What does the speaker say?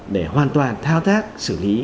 để hoàn toàn thao tác xử lý